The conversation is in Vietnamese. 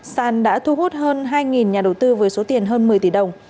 sàn đã thu hút hơn hai nhà đầu tư với số tiền hơn một mươi tỷ đồng